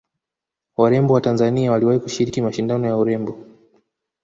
warembo wa tanzania waliwahi kushiriki mashindano ya urembo